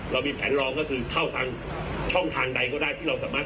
เรามีแผนรองก็คือเข้าทางช่องทางใดก็ได้ที่เราสามารถ